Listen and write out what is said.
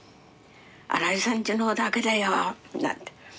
「新井さんちのだけだよ」なんて。